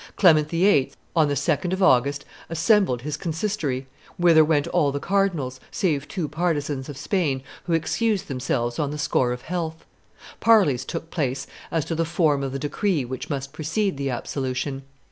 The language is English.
Clement VIII., on the 2d of August, assembled his consistory, whither went all the cardinals, save two partisans of Spain who excused themselves on the score of health. Parleys took place as to the form of the decree which must precede the absolution.